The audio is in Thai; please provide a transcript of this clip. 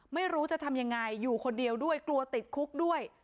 ไม่รู้จะทำยังไงอยู่คนเดียวด้วยกลัวติดคุกด้วย